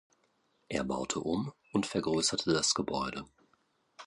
Er baute um und vergrösserte das Gebäude.